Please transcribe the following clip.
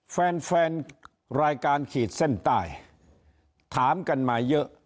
แฟนแฟนรายการขีดเส้นใต้ถามกันมาเยอะ